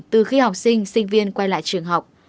từ khi học sinh sinh viên quay lại trường học